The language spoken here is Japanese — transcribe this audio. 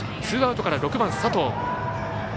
ツーアウトから６番、佐藤。